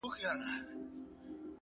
د چا د زړه ازار يې په څو واره دی اخيستی،